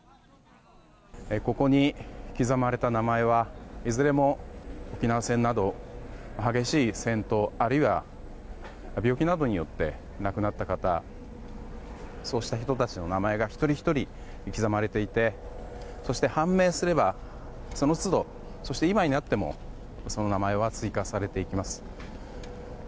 ここに刻まれた名前はいずれも沖縄戦など激しい戦闘あるいは病気などによって亡くなった方そうした人たちの名前が一人ひとり刻まれていてそして判明すれば、その都度そして今になってもその名前は追加されていきます。